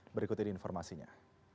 berikut ini informasinya